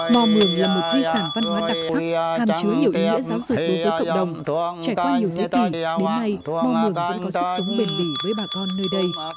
mò mường là một di sản văn hóa đặc sắc hàm chứa nhiều ý nghĩa giáo dục đối với cộng đồng trải qua nhiều thế kỷ đến nay mò mường vẫn có sức sống bền bỉ với bà con nơi đây